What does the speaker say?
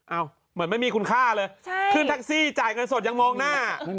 เหมือนไม่มีคุณค่าเลยขึ้นแท็กซี่จ่ายเงินสดยังมองหน้า